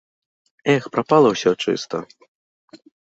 Эх, прапала ўсё чыста!